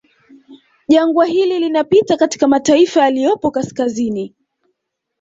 Jangwa hili linapita katika mataifa yaliyopo kaskazini